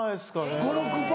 ５６％。